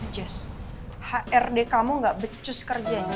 jess hrd kamu gak becus kerjanya